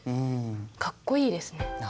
かっこいいですね。